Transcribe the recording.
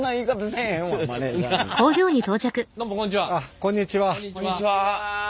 こんにちは。